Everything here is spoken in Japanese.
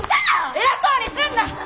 偉そうにすんな！